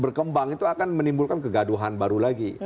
berkembang itu akan menimbulkan kegaduhan baru lagi